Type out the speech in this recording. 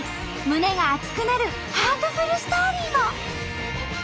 胸が熱くなるハートフルストーリーも。